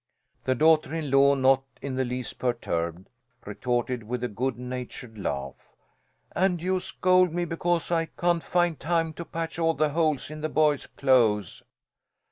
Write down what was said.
The daughter in law, not in the least perturbed, retorted with a good natured laugh: "And you scold me because I can't find time to patch all the holes in the boys' clothes."